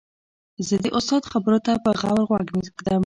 زه د استاد خبرو ته په غور غوږ ږدم.